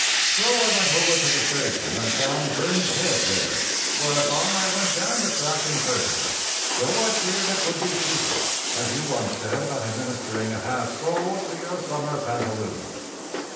So I went over to the station and found Brin's head there, whereupon I went down the track in search of her, though I feared it would be futile, as you once said about administering a half sole to your summer pantaloons.